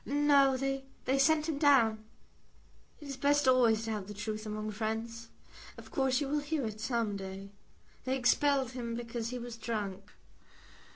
"No; they sent him down. It is best always to have the truth among friends. Of course you will hear it some day. They expelled him because he was drunk."